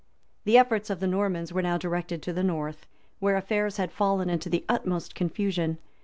[*] The efforts of the Normans were now directed to the north, where affairs had fallen into the utmost confusion.